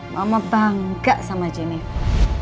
mama bangga sama jennifer